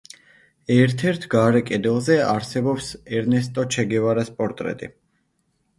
ერთ-ერთ გარე კედელზე არსებობს ერნესტო ჩე გევარას პორტრეტი.